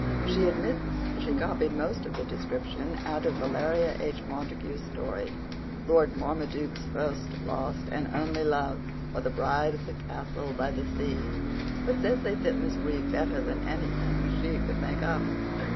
She admits she copied most of the description out of Valeria H. Montague's story Lord Marmaduke's First, Last, and Only Love; or the Bride of the Castle by the Sea, but says they fit Miss Reade better than anything she could make up.